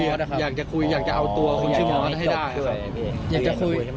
พี่บ้านไม่อยู่ว่าพี่คิดดูด